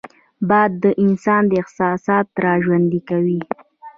باد د انسان احساسات راژوندي کوي